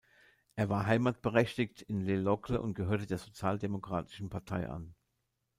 Er war heimatberechtigt in Le Locle und gehörte der Sozialdemokratischen Partei an.